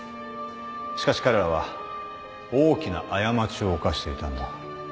しかし彼らは大きな過ちを犯していたんだ。